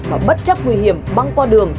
và bất chấp nguy hiểm băng qua đường